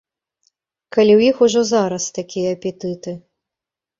Калі ў іх ужо зараз такія апетыты?